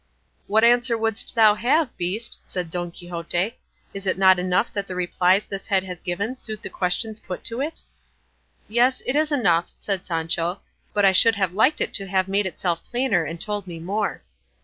"What answer wouldst thou have, beast?" said Don Quixote; "is it not enough that the replies this head has given suit the questions put to it?" "Yes, it is enough," said Sancho; "but I should have liked it to have made itself plainer and told me more."